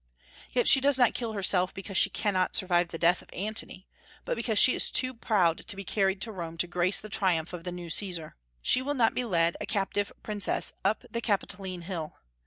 Yet she does not kill herself because she cannot survive the death of Antony, but because she is too proud to be carried to Rome to grace the triumph of the new Caesar. She will not be led a captive princess up the Capitoline Hill.